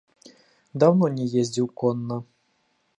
Даўно не ездзіў конна.